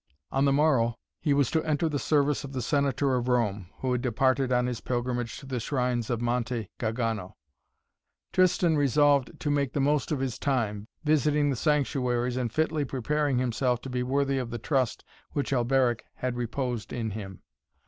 On the morrow he was to enter the service of the Senator of Rome, who had departed on his pilgrimage to the shrines of Monte Gargano. Tristan resolved to make the most of his time, visiting the sanctuaries and fitly preparing himself to be worthy of the trust which Alberic had reposed in him.